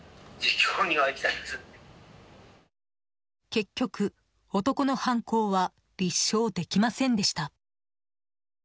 結局、男の犯行は立証できませんでした。